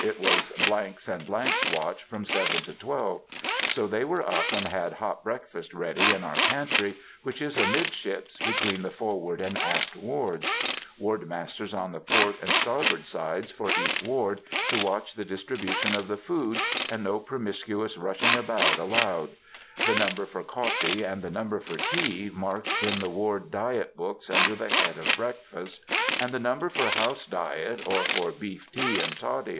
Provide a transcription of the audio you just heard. It was ——'s and ——'s watch from seven to twelve. So they were up and had hot breakfast ready in our pantry, which is amidships between the forward and aft wards; ward masters on the port and starboard sides for each ward, to watch the distribution of the food, and no promiscuous rushing about allowed; the number for coffee and the number for tea marked in the ward diet books under the head of Breakfast, and the number for house diet, or for beef tea and toddy, &c.